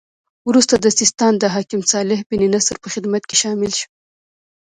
وروسته د سیستان د حاکم صالح بن نصر په خدمت کې شامل شو.